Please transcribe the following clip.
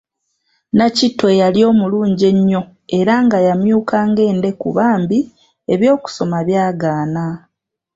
Nakitto eyali omulungi ennyo era nga yamyuka ng'endeku bambi eby'okusoma byagaana.